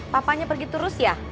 papanya pergi terus ya